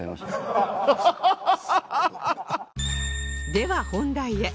では本題へ